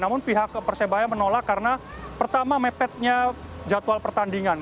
namun pihak persebaya menolak karena pertama mepetnya jadwal pertandingan